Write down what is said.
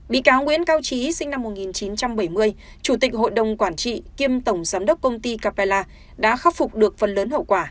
bị cáo nguyễn cao trí sinh năm một nghìn chín trăm bảy mươi chủ tịch hội đồng quản trị kiêm tổng giám đốc công ty capella đã khắc phục được phần lớn hậu quả